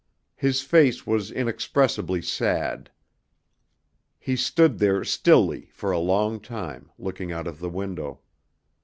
His face was inexpressibly sad. He stood there stilly for a long time, looking out of the window.